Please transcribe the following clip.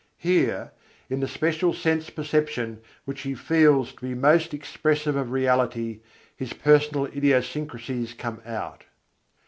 Here, in the special sense perception which he feels to be most expressive of Reality, his peculiar idiosyncrasies come out.